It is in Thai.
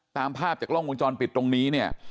ตามภาพจากกล้องวงจรปิดตรงนี้เนี่ย